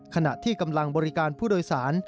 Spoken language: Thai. ขณะที่กำลังบริการผู้โดยสาร